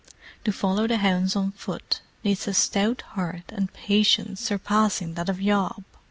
To follow the hounds on foot needs a stout heart and patience surpassing that of Job.